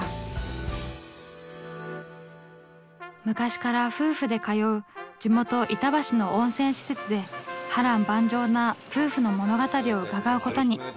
昔から夫婦で通う地元板橋の温泉施設で波乱万丈な夫婦の物語を伺うことに。